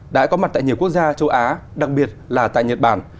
đã có mặt tại nhiều quốc gia châu á đặc biệt là tại nhật bản